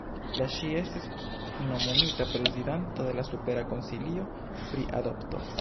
La ŝi estis nomumita prezidanto de la Supera Konsilio pri Adopto.